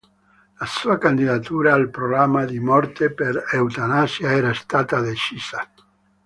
La sua "candidatura" al programma di morte per eutanasia era stata decisa.